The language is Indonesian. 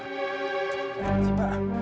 bagaimana sih pak